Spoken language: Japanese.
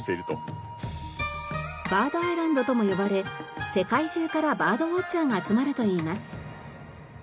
バードアイランドとも呼ばれ世界中からバードウォッチャーが集まるといいます。